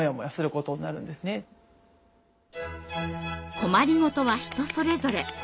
困りごとは人それぞれ。